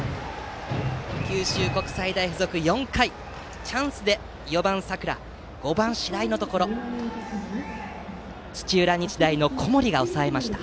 九州国際大付属、４回チャンスで４番、佐倉５番、白井のところを土浦日大の小森が抑えました。